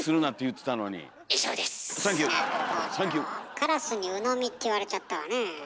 カラスに鵜呑みって言われちゃったわねえ。